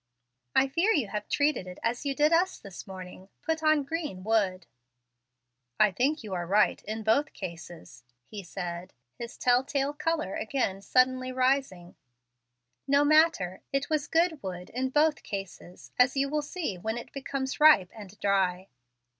I fear you have treated it as you did us this morning, put on green wood." "I think you are right in both cases," he said, his telltale color again suddenly rising. "No matter, it was good wood in both cases, as you will see when it becomes ripe and dry."